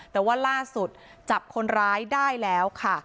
แต่ว่าล่าสุดจับคนร้ายได้แล้วค่ะ